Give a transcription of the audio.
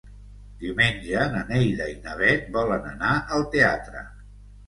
Diumenge na Neida i na Bet volen anar al teatre.